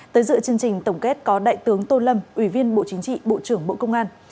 tới dự chương trình tổng kết có đại tướng tô lâm ủy viên bộ chính trị bộ trưởng bộ công an